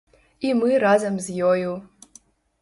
І мы разам з ёю!